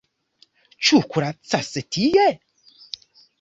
Ĉu vi kuracas tie?